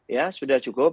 ya sudah cukup